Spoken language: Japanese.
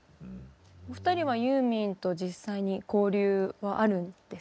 お二人はユーミンと実際に交流はあるんですよね？